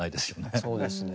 そうですねえ。